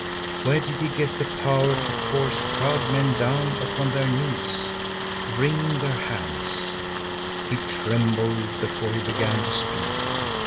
Where did he get the power to force proud men down upon their knees, wringing their hands? He trembled before he began to speak.